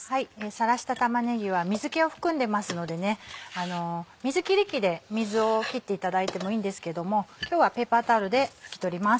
さらした玉ねぎは水気を含んでますので水切り器で水を切っていただいてもいいんですけども今日はペーパータオルで拭き取ります。